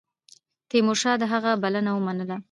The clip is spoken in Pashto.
تیمورشاه د هغه بلنه ومنله.